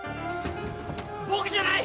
僕じゃない！